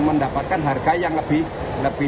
mendapatkan harga yang lebih